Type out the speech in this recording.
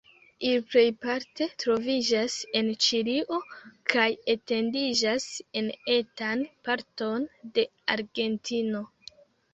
Ili plejparte troviĝas en Ĉilio kaj etendiĝas en etan parton de Argentino.